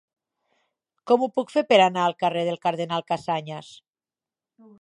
Com ho puc fer per anar al carrer del Cardenal Casañas?